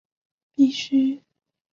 必须严格遵守北京市的统一规范